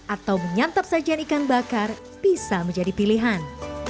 atau menyantap sajian ikan bakar bisa menjadi pilihan